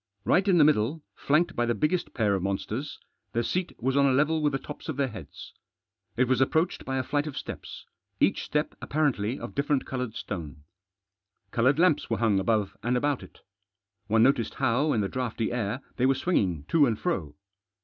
Right in the middle, flanked by the biggest pair of monsters, the seat was on a level with the tops of their heads. It was approached by a flight of steps, each step apparently of different coloured stone. Coloured lamps were hung above and about it. One noticed how, in the draughty air, they were swinging to and fro.